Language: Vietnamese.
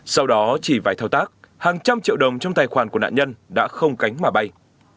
sau đó chỉ vài thao tác hàng trăm triệu đồng trong tài khoản của nạn nhân đã không cánh mà bay